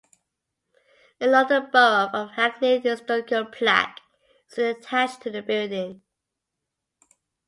A London Borough of Hackney historical plaque is attached to the building.